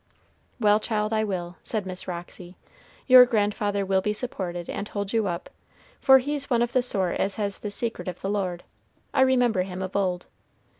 "Well, child, I will," said Miss Roxy. "Your grandfather will be supported, and hold you up, for he's one of the sort as has the secret of the Lord, I remember him of old.